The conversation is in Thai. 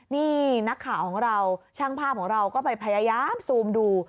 นี่นักข่าวของเราช่างภาพของเราก็ไปพยายามซูมดู